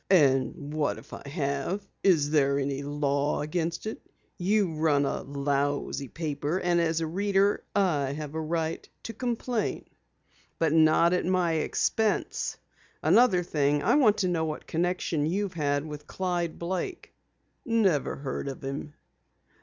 "And what if I have? Is there any law against it? You run a lousy paper, and as a reader I have a right to complain!" "But not at my expense. Another thing, I want to know what connection you've had with Clyde Blake." "Never heard of him."